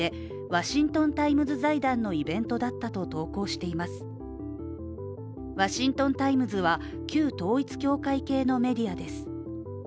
「ワシントン・タイムズ」は旧統一教会系のメディアです。